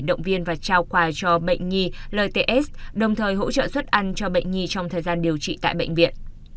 động viên và trao quà cho bệnh nhi lts đồng thời hỗ trợ xuất ăn cho bệnh nhi trong thời gian điều trị tại bệnh viện